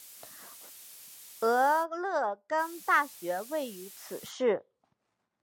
俄勒冈大学位于此市。